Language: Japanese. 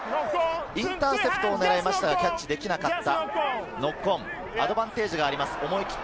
インターセプトを狙いましたが、キャッチできなかった。